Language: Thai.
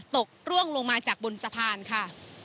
กร่วงลงมาจากบนสะพานค่ะ